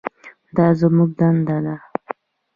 دا زموږ دنده ده.